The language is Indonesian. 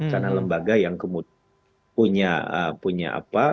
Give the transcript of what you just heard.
karena lembaga yang kemudian punya apa